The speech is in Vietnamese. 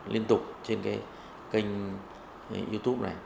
liên tục trên cái kênh youtube này